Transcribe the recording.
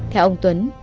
theo ông tuấn